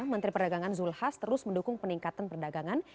menteri perdagangan zulhas terus mendukung peningkatan perdagangan